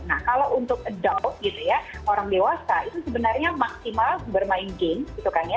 nah kalau untuk adown gitu ya orang dewasa itu sebenarnya maksimal bermain games gitu kan ya